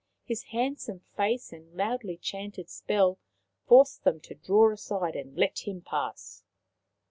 His handsome face and loudly chanted spell forced them to draw aside and let him pass.